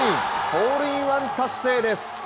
ホールインワン達成です。